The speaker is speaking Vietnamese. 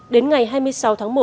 đến ngày hai mươi sáu tháng một